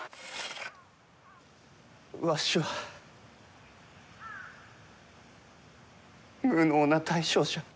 わしは無能な大将じゃ。